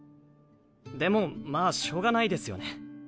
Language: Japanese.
でもまあしょうがないですよね。